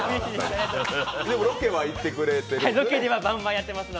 でもロケは行ってくれてる？